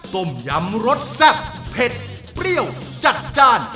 ต้มยำรสแซ่บเผ็ดเปรี้ยวจัดจ้าน